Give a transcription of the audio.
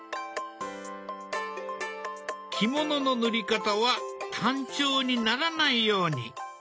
着物の塗り方は単調にならないように。